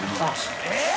えっ！？